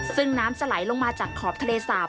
ซึ่งน้ำจะไหลลงมาจากขอบทะเลสาบ